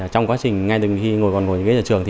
trong quá trình ngay từ khi ngồi gần gần